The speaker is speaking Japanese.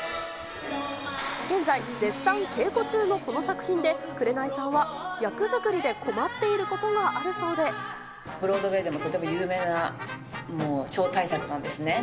現在、絶賛稽古中のこの作品で、紅さんは役作りで困っていることがあるブロードウェイでも、とても有名な、超大作なんですね。